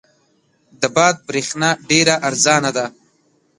د باد برېښنا ډېره ارزانه ده.